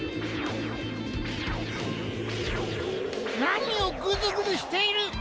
なにをぐずぐずしている！